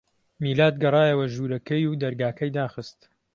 میلاد گەڕایەوە ژوورەکەی و دەرگاکەی داخست.